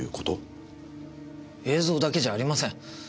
映像だけじゃありません。